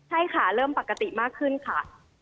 ใช่ค่ะเริ่มปกติมากขึ้นค่ะ